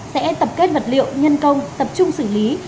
sẽ tập kết vật liệu nhân công tập trung xử lý